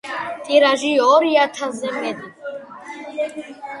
ტირაჟი ორი ათასზე მეტი.